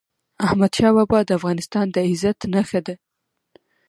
احمدشاه بابا د افغانستان د عزت نښه ده.